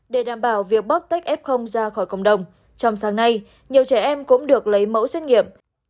để đảm bảo việc bóc tách f ra khỏi cộng đồng trong sáng nay nhiều trẻ em cũng được lấy mẫu xét nghiệm